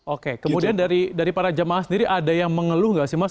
oke kemudian dari para jamaah sendiri ada yang mengeluh nggak sih mas